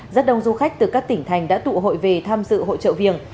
rất đông du khách từ các tỉnh thành đã tụ hội về tham dự hội trợ viềng